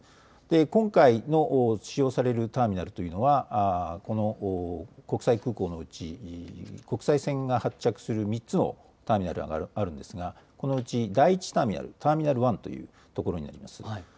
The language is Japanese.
今回の使用されるターミナルというのは国際空港のうち、国際線が発着する３つのターミナルがあるんですが、このうち第１ターミナル、ターミナル１というところになります。